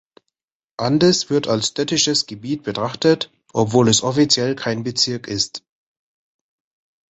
Andes wird als städtisches Gebiet betrachtet, obwohl es offiziell kein Bezirk ist.